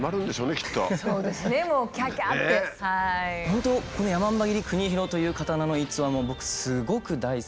本当この山姥切国広という刀の逸話も僕すごく大好きで。